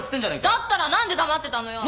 だったら何で黙ってたのよ。